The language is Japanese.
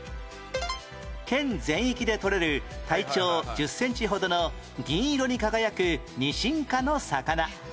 県全域でとれる体長１０センチほどの銀色に輝くニシン科の魚